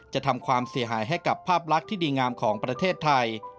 จะทำความเสียหายให้กับภาพลักษณ์ที่ดีงามของประเทศไทย